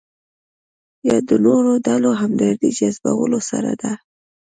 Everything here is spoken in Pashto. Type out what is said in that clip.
یا د نورو ډلو همدردۍ جذبولو سره ده.